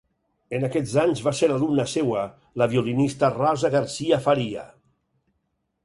En aquests anys va ser alumna seva la violinista Rosa Garcia-Faria.